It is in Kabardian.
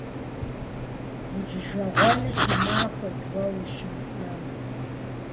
Узижэгъуэн си махуэт уэ ущымыӀамэ.